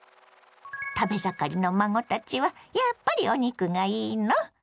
食べ盛りの孫たちはやっぱりお肉がいいの？